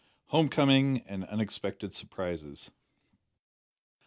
HOME COMING AND UNEXPECTED SURPRISES.